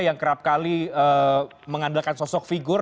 yang kerap kali mengandalkan sosok figur